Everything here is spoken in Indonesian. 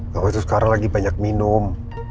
kalau itu sekarang lagi banyak minum